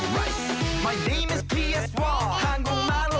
บ่ปะดาลินดาว